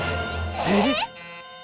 えっ？